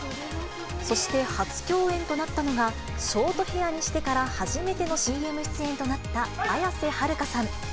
そして初共演となったのが、ショートヘアにしてから初めてのＣＭ出演となった綾瀬はるかさん。